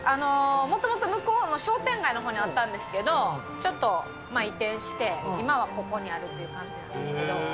もともと向こうの商店街のほうにあったんですけど、ちょっと移転して、今はここにあるっていう感じなんですけど。